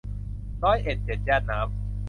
ร้อยเอ็ดเจ็ดย่านน้ำ